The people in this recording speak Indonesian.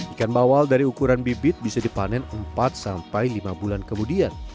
ikan bawal dari ukuran bibit bisa dipanen empat sampai lima bulan kemudian